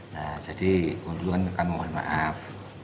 nah jadi duluan kami mohon maaf